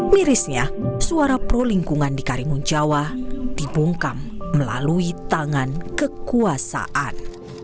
mirisnya suara pro lingkungan di karimun jawa dibungkam melalui tangan kekuasaan